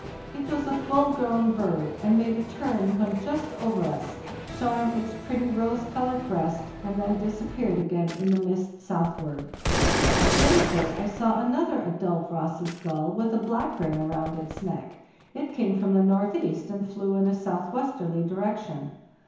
It was a full grown bird, and made a turn when just over us, showing its pretty rose colored breast, and then disappeared again in the mist southward. On Thursday I saw another adult Ross's gull, with a black ring round its neck; it came from the northeast, and flew in a southwesterly direction.